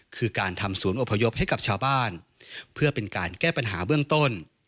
คือการทำศูนย์อพยพให้กับชาวบ้านเพื่อเป็นการแก้ปัญหาเบื้องต้น